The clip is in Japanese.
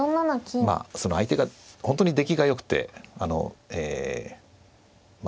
まあその相手が本当に出来がよくてまあ